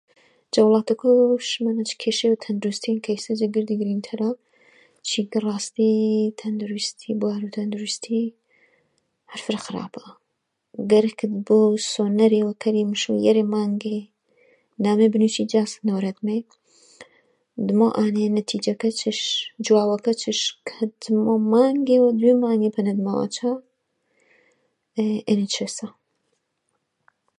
جەوەڵاتەکەو شمەنە چ کیشێڤی تەندروستی هەن کە ئیسە جە گردی گرینگتەرا؟ چێگە راسی، تەندوروستتی، بواروو تەندوروستی هەر فرە خرابا گەرەکت بۆ سۆنەرێڤ کەری مشیۆ یەرێ مانگێ نامێ بنویسیی ئیجا نۆرەت مەی دمەو ئانەیە نەتیجەکەیچش، جواوەکەیچش مانگێڤە دڤە مانگێ پەنەت مەواچ ئەرێچەسە